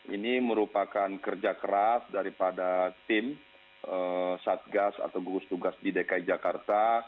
ini merupakan kerja keras daripada tim satgas atau gugus tugas di dki jakarta